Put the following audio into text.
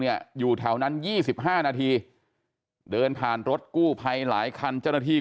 เนี่ยอยู่แถวนั้น๒๕นาทีเดินทางรถกู้ไภหลายคันเจ้าหน้าที่